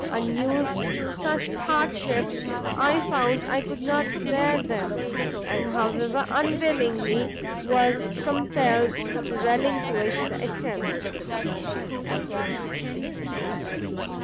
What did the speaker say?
unused to such hardships, I found I could not bear them, and, however unwillingly, was compelled to relinquish the attempt."